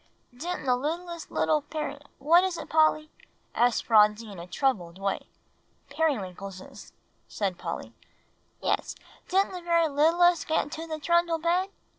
"Didn't the littlest little Peri what is it, Polly?" asked Phronsie in a troubled way. "Periwinkleses," said Polly. "Yes, didn't the very littlest get into the trundle bed?"